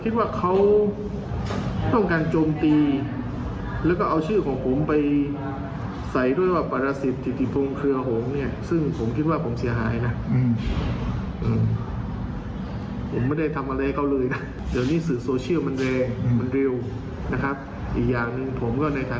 ด้วยแล้วก็ผมมีหน้าที่การงานอยู่ดำเนินทางวิชาการระดับโรงศาสตร์อาจารย์